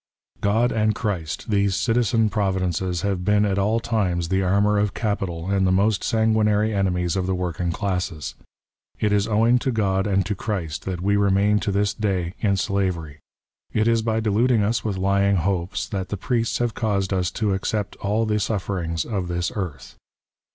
" God and Christ, these citizen Providences have " been at all tioies the armour of Capital and the most " sanguinary enemies of the working classes. It is owing " to God and to Christ that we remain to this day in " slavery. It is by deluding us with lying hopes that *'the priests have caused us to accept all the sufferiogs " of this earth.